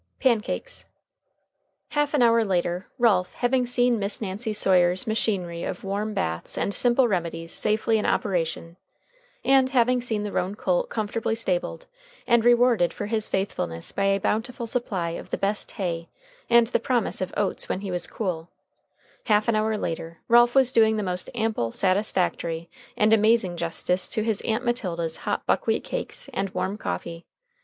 PANCAKES. Half an hour later, Ralph, having seen Miss Nancy Sawyer's machinery of warm baths and simple remedies safely in operation, and having seen the roan colt comfortably stabled, and rewarded for his faithfulness by a bountiful supply of the best hay and the promise of oats when he was cool half an hour later Ralph was doing the most ample, satisfactory, and amazing justice to his Aunt Matilda's hot buckwheat cakes and warm coffee.